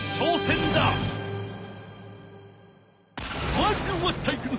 まずは体育ノ